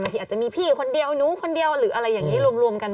ที่อาจจะมีพี่คนเดียวหนูคนเดียวหรืออะไรอย่างนี้รวมกัน